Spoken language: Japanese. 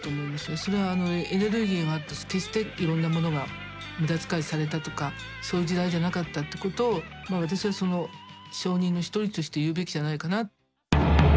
それはエネルギーがあったし決していろんなものが無駄遣いされたとかそういう時代じゃなかったってことを私はその証人の一人として言うべきじゃないかな。